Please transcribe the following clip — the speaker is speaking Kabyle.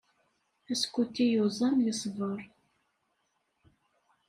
Askuti yuẓam, yesber.